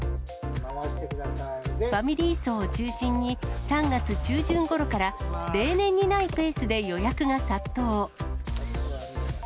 ファミリー層を中心に、３月中旬ごろから、例年にないペースで予約が殺到。